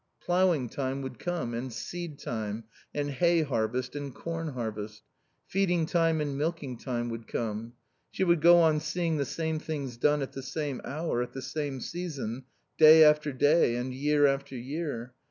Ploughing time would come and seed time, and hay harvest and corn harvest. Feeding time and milking time would come. She would go on seeing the same things done at the same hour, at the same season, day after day and year after year.